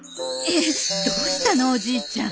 えっどうしたのおじいちゃん。